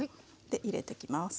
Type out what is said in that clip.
で入れてきます。